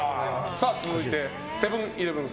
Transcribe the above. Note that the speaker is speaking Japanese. そしてセブン‐イレブン